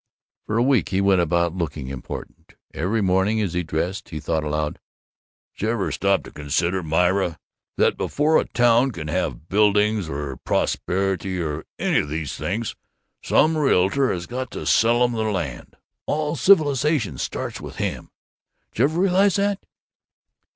For a week he went about looking important. Every morning, as he dressed, he thought aloud: "Jever stop to consider, Myra, that before a town can have buildings or prosperity or any of those things, some realtor has got to sell 'em the land? All civilization starts with him. Jever realize that?"